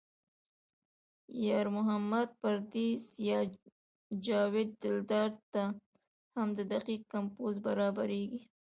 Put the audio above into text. یار محمد پردیس یا جاوید دلدار ته هم دقیق کمپوز برابرېږي.